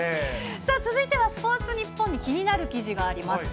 さあ、続いてはスポーツニッポンに気になる記事があります。